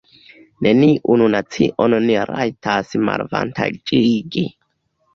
Neniun nacion ni rajtas malavantaĝigi.